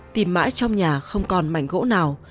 tìm mãi trong nhà không còn mảnh gỗ nào